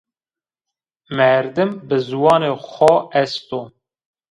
Merdim bi ziwanê xo est o